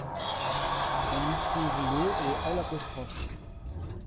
On y trouve le et l'.